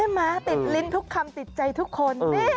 ใช่ไหมติดลิ้นทุกคำติดใจทุกคน